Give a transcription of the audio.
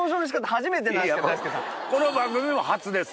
この番組も初です。